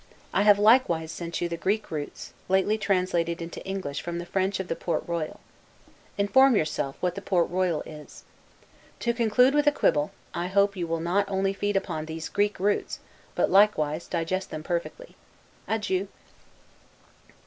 I have likewise sent you the Greek roots, lately translated into English from the French of the Port Royal. Inform yourself what the Port Royal is. To conclude with a quibble: I hope you will not only feed upon these Greek roots, but likewise digest them perfectly. Adieu.